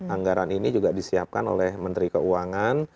anggaran ini juga disiapkan oleh menteri keuangan